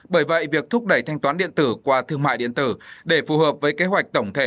bởi vậy việc thúc đẩy thanh toán điện tử qua thương mại điện tử để phù hợp với kế hoạch tổng thể